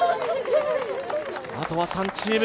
あとは３チーム。